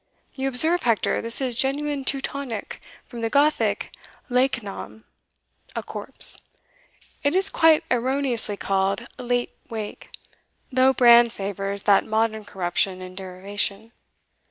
You observe, Hector, this is genuine Teutonic, from the Gothic Leichnam, a corpse. It is quite erroneously called Late wake, though Brand favours that modern corruption and derivation."